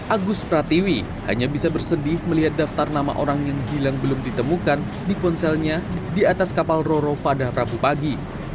agus pratiwi hanya bisa bersedih melihat daftar nama orang yang hilang belum ditemukan di ponselnya di atas kapal roro pada rabu pagi